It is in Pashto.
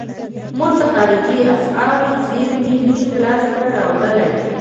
موږ د خارجي اسعارو زیرمې نشو لاس ته راوړلای.